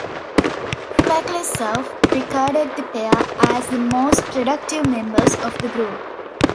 Feklisov regarded the pair as the most productive members of the group.